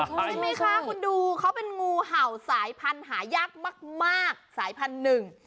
ใช่ไหมคะคุณดูเขาเป็นงูเห่าสายพันธุ์หายากมากมากสายพันธุ์หนึ่ง